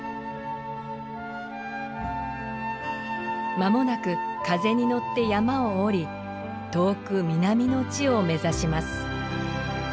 まもなく風に乗って山を下り遠く南の地を目指します。